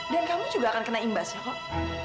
dan kamu juga akan kena imbas ya kok